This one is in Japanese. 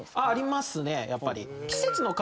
ありますねやっぱり。